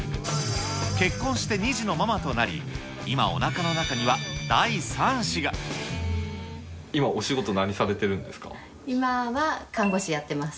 結婚して２児のママとなり、今、今、お仕事、なにされてるん今は看護師やってます。